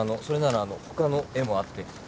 それならあの他の絵もあって。